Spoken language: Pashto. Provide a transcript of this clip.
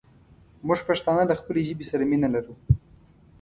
مونږ پښتانه له خپلې ژبې سره مينه لرو